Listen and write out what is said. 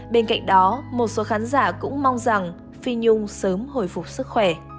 bên cạnh đó một số khán giả cũng mong rằng phi nhung sớm hồi phục sức khỏe